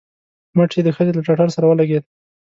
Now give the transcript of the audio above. مټ يې د ښځې له ټټر سره ولګېد.